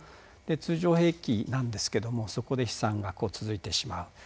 通常兵器なんですけどもそこで悲惨が続いてしまう。